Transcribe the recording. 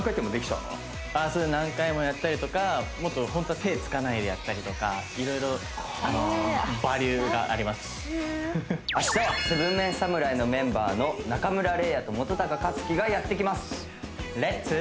そうです何回もやったりとかもっと本当は手つかないでやったりとかいろいろバリエーションがありますはあ明日は７ＭＥＮ侍のメンバーの中村嶺亜と本克樹がやってきます「レッツ！」